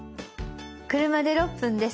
車で６分です。